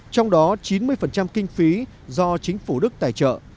trong đó chín mươi kinh phí do chính phủ đức tài trợ